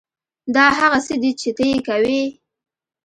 دا هغه څه دي چې ته یې کوې